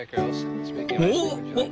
「おっ！